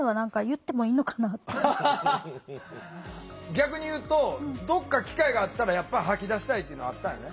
逆に言うとどっか機会があったらやっぱ吐き出したいっていうのはあったんやね。